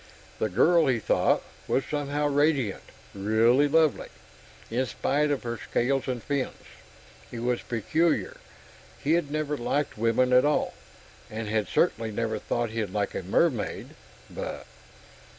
The girl, he thought, was somehow radiant really lovely, in spite of her scales and fins. It was peculiar; he'd never liked women at all, and had certainly never thought he'd like a mermaid, but....